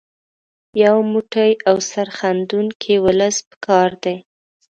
یو موټی او سرښندونکی ولس په کار دی.